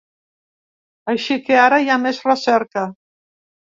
Així que ara hi ha més recerca.